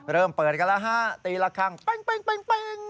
เริ่มเปิดกันแล้วฮะตีละครั้งปิ้ง